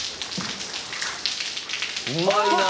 うまいなあ。